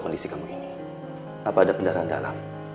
kondisi kamu ini apa ada kendaraan dalam